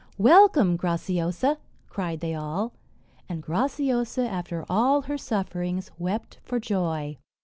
"Welcome, Graciosa!" cried they all; and Graciosa, after all her sufferings, wept for joy.